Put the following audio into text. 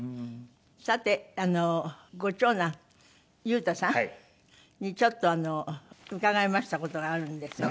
さてあのご長男優汰さんにちょっと伺いました事があるんですよ。